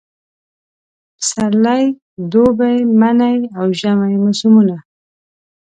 پسرلی، دوبی، منی اوژمی موسمونه